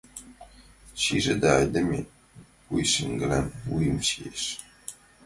Шижыда, айдеме пушеҥгылан вуйым шиеш!